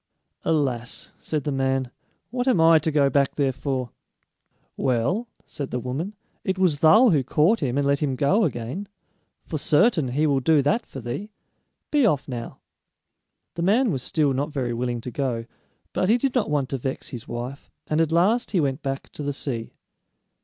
"Alas," said the man, "what am I to go back there for?" "Well," said the woman, "it was thou who caught him and let him go again; for certain he will do that for thee. Be off now!" The man was still not very willing to go, but he did not want to vex his wife, and at last he went back to the sea.